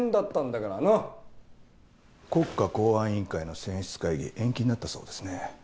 国家公安委員会の選出会議延期になったそうですね。